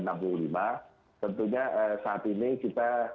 tentunya saat ini kita